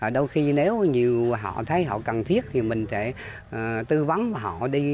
đôi khi nếu nhiều họ thấy họ cần thiết thì mình sẽ tư vấn họ đi